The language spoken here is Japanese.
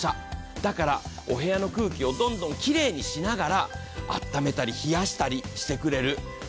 だからお部屋の空気をどんどんきれいにしながらあっためたり、冷やしたりしてくれる。